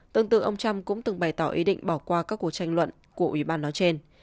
tương tự ông trump cũng từng bày tỏ ý định bỏ qua các cuộc tranh luận của ủy ban nói trên